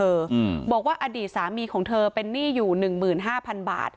อืมบอกว่าอดีตสามีของเธอเป็นหนี้อยู่หนึ่งหมื่นห้าพันบาท